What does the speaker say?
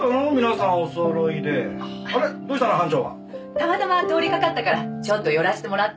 たまたま通りかかったからちょっと寄らせてもらったの。